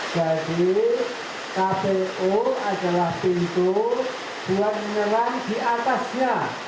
jadi kpu adalah pintu buat menyerang di atasnya